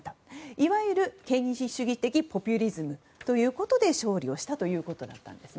いわゆる権威主義的ポピュリズムで勝利をしたということです。